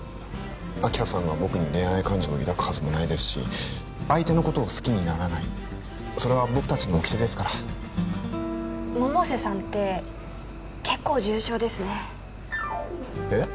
明葉さんが僕に恋愛感情を抱くはずもないですし相手のことを好きにならないそれは僕達の掟ですから百瀬さんって結構重症ですねえっ？